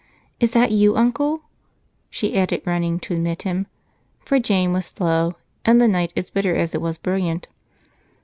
Is that you, Uncle?" she added, running to admit him, for Jane was slow and the night as bitter as it was brilliant.